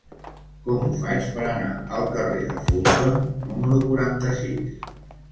Com ho faig per anar al carrer de Fulton número quaranta-sis?